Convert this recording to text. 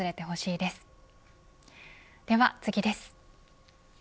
では次です。